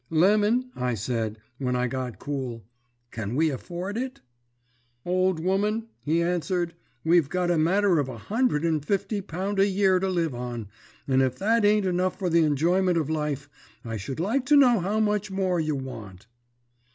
"'Lemon,' I said, when I got cool, 'can we afford it?' "'Old woman,' he answered 'we've got a matter of a hundred and fifty pound a year to live on, and if that ain't enough for the enjoyment of life, I should like to know how much more you want?'